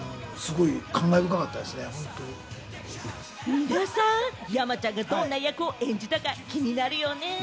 皆さん、山ちゃんがどんな役を演じたか気になるよね？